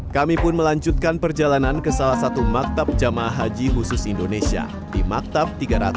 kami pun melanjutkan perjalanan ke salah satu maktab jamaah haji khusus indonesia di maktab tiga ratus